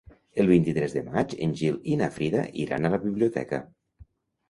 El vint-i-tres de maig en Gil i na Frida iran a la biblioteca.